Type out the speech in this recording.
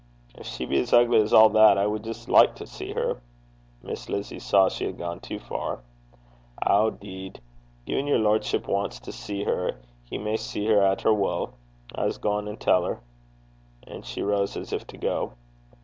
'If she be as ugly as all that, I would just like to see her.' Miss Lizzie saw she had gone too far. 'Ow, deed! gin yer lordship wants to see her, ye may see her at yer wull. I s' gang and tell her.' And she rose as if to go.